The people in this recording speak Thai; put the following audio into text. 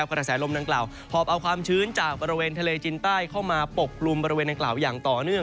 กระแสลมดังกล่าวหอบเอาความชื้นจากบริเวณทะเลจินใต้เข้ามาปกกลุ่มบริเวณดังกล่าวอย่างต่อเนื่อง